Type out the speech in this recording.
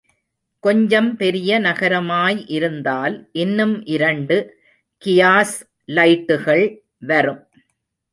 கொஞ்சம் பெரிய நகரமாய் இருந்தால் இன்னும் இரண்டு கியாஸ் லைட்டுகள் வரும்.